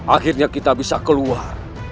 akhirnya kita bisa keluar